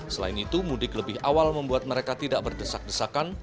selain itu mudik lebih awal membuat mereka tidak berdesak desakan